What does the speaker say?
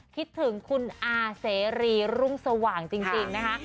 คิดถึงคุณอาเสรีรุ่งสว่างจริงนะคะ